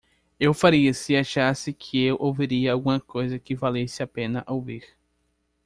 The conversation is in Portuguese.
Eu faria se achasse que eu ouviria alguma coisa que valesse a pena ouvir.